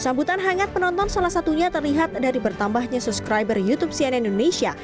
sambutan hangat penonton salah satunya terlihat dari bertambahnya subscriber youtube cnn indonesia